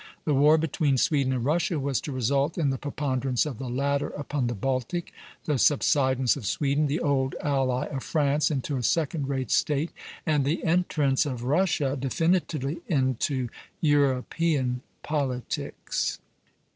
The war between Sweden and Russia was to result in the preponderance of the latter upon the Baltic, the subsidence of Sweden, the old ally of France, into a second rate State, and the entrance of Russia definitively into European politics.